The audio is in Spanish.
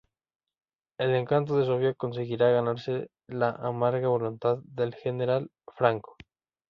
El encanto de Sofía conseguirá ganarse la amarga voluntad del General Franco.